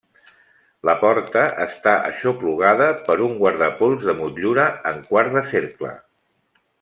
La porta està aixoplugada per un guardapols de motllura en quart de cercle.